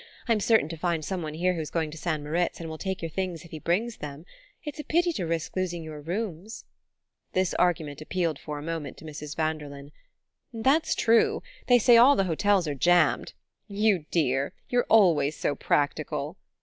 I'm certain to find someone here who's going to St. Moritz and will take your things if he brings them. It's a pity to risk losing your rooms." This argument appealed for a moment to Mrs. Vanderlyn. "That's true; they say all the hotels are jammed. You dear, you're always so practical!"